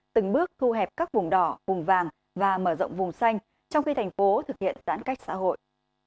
từng bước thu hẹp các vùng đỏ vùng vàng và mở rộng vùng xanh trong khi thành phố thực hiện giãn cách xã hội